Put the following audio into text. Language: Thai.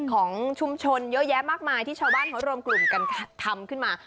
ของชุมชนเยอะแยะมากมายที่ชาวบ้านเขารวมกลุ่มกันทำขึ้นมา